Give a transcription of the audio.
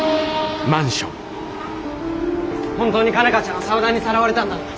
本当に佳奈花ちゃん沢田にさらわれたんだな？